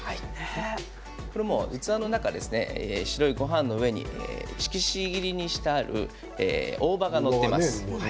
器の中、白いごはんの上に色紙切りにしてある大葉が載ってます。